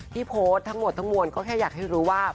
ที่โพสต์ทั้งหมดทั้งมวลก็แค่อยากให้รู้ว่า